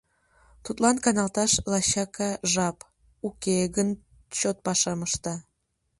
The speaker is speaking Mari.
Тудлан каналташ лачака жап, уке гын чот пашам ышта.